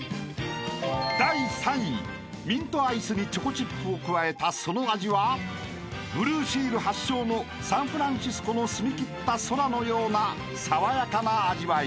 ［ミントアイスにチョコチップを加えたその味はブルーシール発祥のサンフランシスコの澄みきった空のような爽やかな味わい］